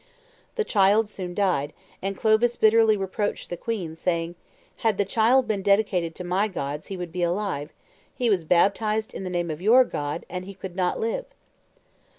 The child soon died, and Clovis bitterly reproached the queen, saying, "Had the child been dedicated to my gods he would be alive; he was baptized in the name of your God, and he could not live."